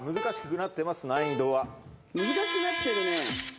難しくなってるね。